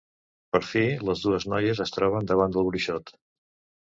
Per fi, les dues noies es troben davant del bruixot.